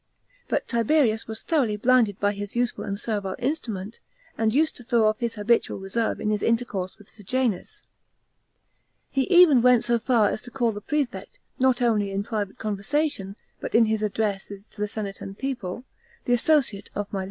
But Tiberius was thoroughly blinded by his useful and servile instrument, and used to throw off his habitual reserve in his intercourse with Sejanus. He even went so far as to call the prefect, not only in private conversation, but in ad tresses to the senate and the people, "the associate of my * Hence Juvenal calls him " the Tuscan," Xat.